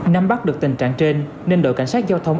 năm bắt được tình trạng trên nên đội cảnh sát giao thông